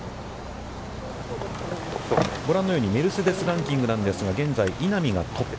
ご覧のようにメルセデス・ランキングなんですが現在、稲見がトップ。